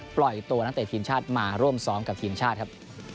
ปล่อยตัวนักเตะทีมชาติมาร่วมซ้อมกับทีมชาติครับ